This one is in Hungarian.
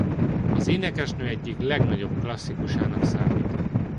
Az énekesnő egyik legnagyobb klasszikusának számít.